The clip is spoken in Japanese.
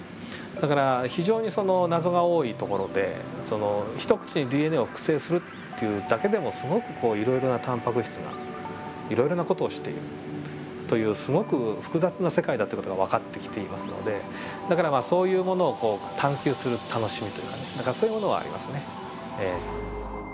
だから非常に謎が多いところでその一口にＤＮＡを複製するっていうだけでもすごくいろいろなタンパク質がいろいろな事をしているというすごく複雑な世界だという事が分かってきていますのでだからまあそういうものをこう探求する楽しみというかねだからそういうものはありますね。